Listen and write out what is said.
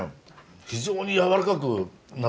非常にやわらかくなってますね